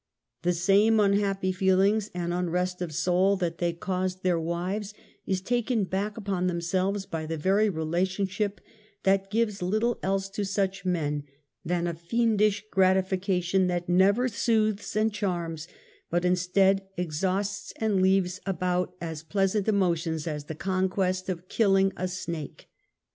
The same unhappy feelings and unrest of soul that they caused their wives, is taken back upon them selves by the very relationship that gives little else to such men than a fiendish gratification that never soothes and charms, but instead, exhausts and leaves about as pleasant emotions as the conquest of killing a snake.